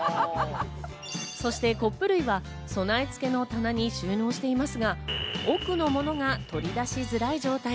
そしてコップ類は備え付けの棚に収納していますが、奥のものが取り出しづらい状態。